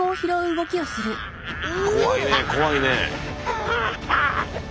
怖いね怖いね。